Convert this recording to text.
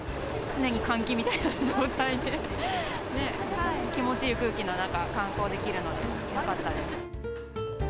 常に換気みたいな状態で、気持ちいい空気の中、観光できるのでよかったです。